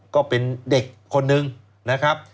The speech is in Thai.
ก็เป็นเด็กคนนึงนะครับ